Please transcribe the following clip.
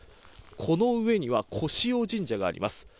この上には、古四王神社があります。